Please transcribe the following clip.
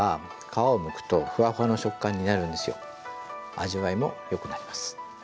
味わいもよくなります。